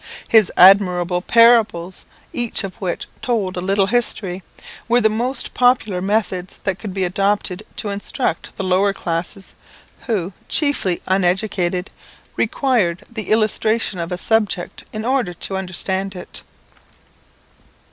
His admirable parables, each of which told a little history, were the most popular methods that could be adopted to instruct the lower classes, who, chiefly uneducated, require the illustration of a subject in order to understand it.